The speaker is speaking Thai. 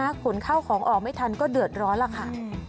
ถ้าขนเข้าของออกไม่ทันก็เดือดร้อนล่ะค่ะ